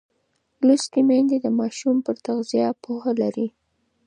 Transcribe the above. لوستې میندې د ماشوم پر تغذیه پوهه لري.